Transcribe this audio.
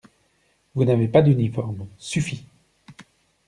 Vous n'avez pas d'uniforme: suffit!